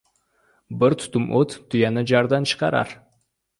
• Bir tutam o‘t tuyani jardan chiqarar.